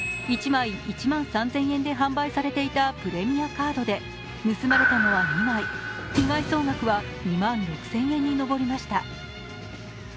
１枚１万３０００円で販売されていたプレミアカードで盗まれたのは２枚、被害総額は２万６０００円に上りました。